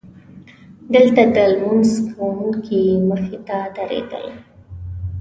دلته د لمونځ کوونکي مخې ته تېرېدل.